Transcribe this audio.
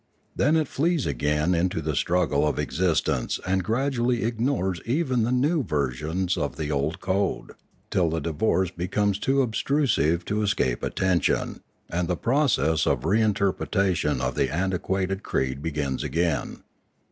Then it flees again into the struggle of existence and gradually ignores even the new versions of the old code, till the divorce becomes too obtrusive to escape attention, and the process of reinterpretation of the antiquated creed begins again.